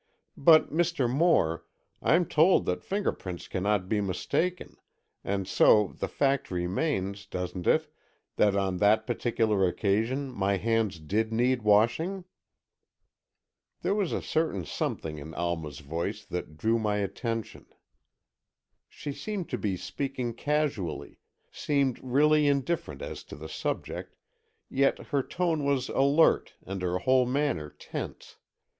But, Mr. Moore, I'm told that fingerprints cannot be mistaken, and so the fact remains, doesn't it, that on that particular occasion my hands did need washing?" There was a certain something in Alma's voice that drew my attention. She seemed to be speaking casually, seemed really indifferent as to the subject, yet her tone was alert and her whole manner tense.